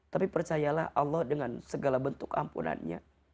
tapi percayalah allah dengan segala bentuk ampunannya